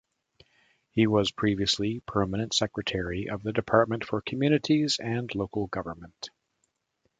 He was previously Permanent Secretary of the Department for Communities and Local Government.